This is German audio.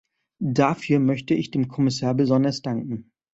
Dafür möchte ich dem Kommissar besonders danken.